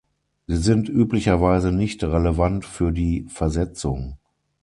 Sie sind üblicherweise nicht relevant für die Versetzung.